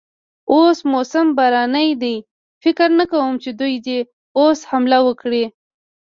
اوس موسم باراني دی، فکر نه کوم چې دوی دې اوس حمله وکړي.